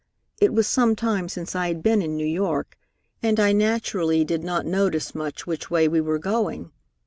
It was some time since I had been in New York, and I naturally did not notice much which way we were going.